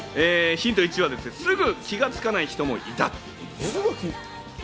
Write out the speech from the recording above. ヒント１はすぐ気がつかない人もいた。